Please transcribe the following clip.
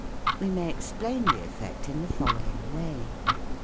We may explain the effect in the following way.